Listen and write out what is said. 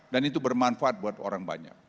dan itu bermanfaat buat orang banyak